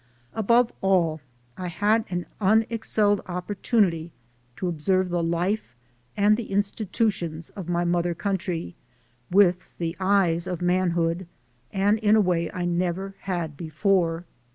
Above all, I had an unexcelled opportunity to ob serve the life and the institutions of my mother country with the eyes of manhood and in a way I never had before.